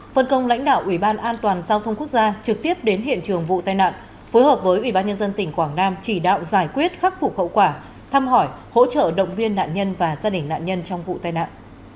phân công lãnh đạo ủy ban an toàn giao thông quốc gia trực tiếp đến hiện trường vụ tai nạn phối hợp với ủy ban nhân dân tỉnh quảng nam chỉ đạo giải quyết khắc phục hậu quả thăm hỏi hỗ trợ động viên nạn nhân và gia đình nạn nhân trong vụ tai nạn